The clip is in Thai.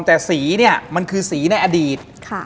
แต่สีเนี่ยมันคือสีในอดีต